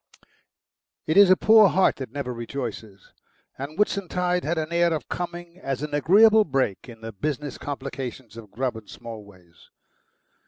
2 It is a poor heart that never rejoices, and Whitsuntide had an air of coming as an agreeable break in the business complications of Grubb & Smallways.